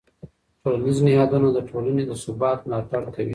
ټولنیز نهادونه د ټولنې د ثبات ملاتړ کوي.